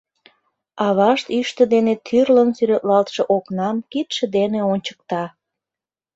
— Авашт йӱштӧ дене тӱрлын сӱретлалтше окнам кидше дене ончыкта.